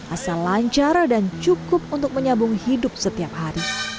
asal lancar dan cukup untuk menyambung hidup setiap hari